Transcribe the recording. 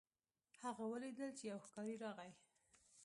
هغه ولیدل چې یو ښکاري راغی.